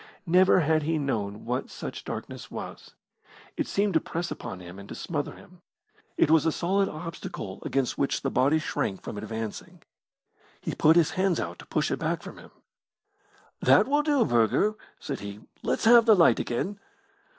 Never had he known what such darkness was. It seemed to press upon him and to smother him. It was a solid obstacle against which the body shrank from advancing. He put his hands out to push it back from him. "That will do, Burger," said he, "let's have the light again."